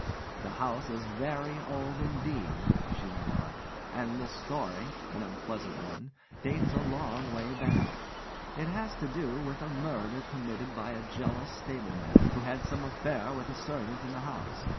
"The house is very old indeed," she went on, "and the story an unpleasant one dates a long way back. It has to do with a murder committed by a jealous stableman who had some affair with a servant in the house.